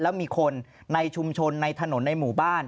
แล้วมีคนในชุมชนในถนนในหมู่บ้าน